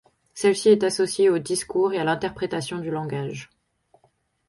Celle-ci est associée au discours et à l'interprétation du langage.